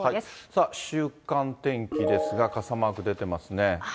さあ、週間天気ですが、傘マーク出てますね。